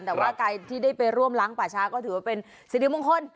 แต่ว่าใครที่ได้ไปร่วมล้างป่าช้าก็ถือว่าเป็นสิริมงคล